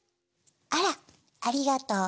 あらっありがとう！